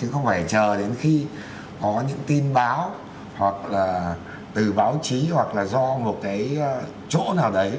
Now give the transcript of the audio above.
chứ không phải chờ đến khi có những tin báo hoặc là từ báo chí hoặc là do một cái chỗ nào đấy